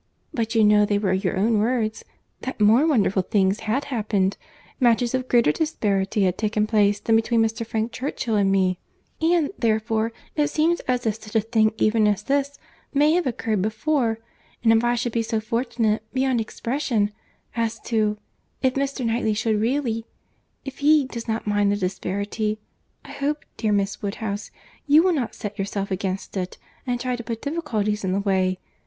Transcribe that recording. But you know they were your own words, that more wonderful things had happened, matches of greater disparity had taken place than between Mr. Frank Churchill and me; and, therefore, it seems as if such a thing even as this, may have occurred before—and if I should be so fortunate, beyond expression, as to—if Mr. Knightley should really—if he does not mind the disparity, I hope, dear Miss Woodhouse, you will not set yourself against it, and try to put difficulties in the way.